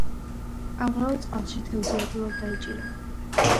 ამღვრეულ წყალში თევზი ადვილად დაიჭირება.